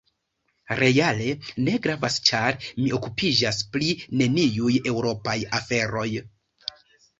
Reale ne gravas ĉar mi okupiĝas pri neniuj eŭropaj aferoj.